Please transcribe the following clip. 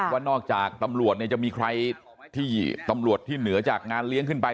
ว่านอกจากตำรวจจะมีใครที่ตำรวจที่เหนือจากงานเลี้ยงขึ้นไป